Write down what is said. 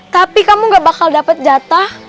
tapi kamu gak bakal dapat jatah